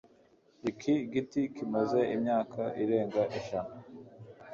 Iki giti kimaze imyaka irenga ijana.